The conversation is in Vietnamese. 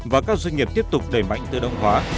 và các doanh nghiệp tiếp tục đẩy mạnh tự động hóa